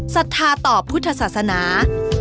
ศรัทธาต่อพุทธศาสนา